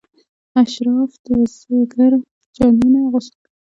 اشراف د بزګر جامې نه اغوستلې.